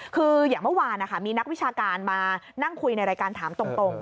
คืออย่างเมื่อวานมีนักวิชาการมานั่งคุยในรายการถามตรง